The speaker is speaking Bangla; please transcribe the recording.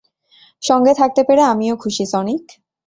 সঙ্গে থাকতে পেরে আমিও খুশি, সনিক।